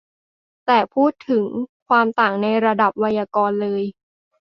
แต่พูดถึงความต่างในระดับไวยากรณ์เลย